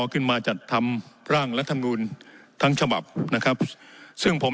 ขึ้นมาจัดทำร่างรัฐมนูลทั้งฉบับนะครับซึ่งผม